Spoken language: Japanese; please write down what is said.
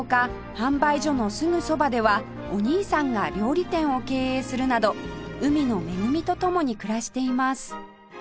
販売所のすぐそばではお兄さんが料理店を経営するなど海の恵みと共に暮らしています